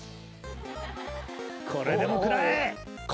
「これでも食らえ！」